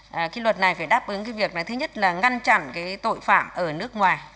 và cái luật này phải đáp ứng cái việc này thứ nhất là ngăn chặn cái tội phạm ở nước ngoài